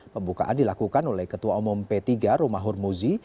pembukaan dilakukan oleh ketua umum p tiga romahur muzi